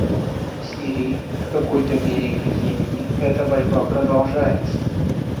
В Сирии и, в какой-то мере, в Йемене эта борьба продолжается.